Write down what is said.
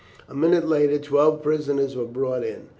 A minute later, twelve prisoners were brought in.